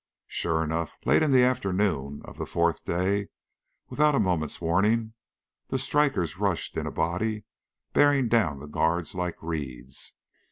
Sure enough, late in the afternoon of the fourth day, without a moment's warning, the strikers rushed in a body, bearing down the guards like reeds.